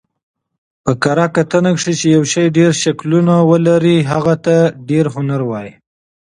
په کره کتنه کښي، چي یوشي ډېره ښکله ولري نو هغه ته ډېر هنري وايي.